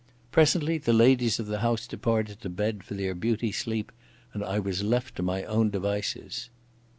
Presently the ladies of the house departed to bed for their beauty sleep and I was left to my own devices.